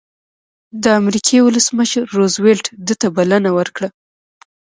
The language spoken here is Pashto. د امریکې ولسمشر روز وېلټ ده ته بلنه ورکړه.